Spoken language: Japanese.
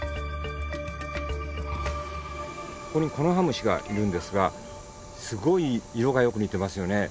ここにコノハムシがいるんですがすごい色がよく似てますよね。